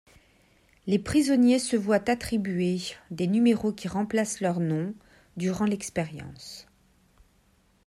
Les prisonniers se voient attribuer des numéros qui remplacent leur nom durant l'expérience.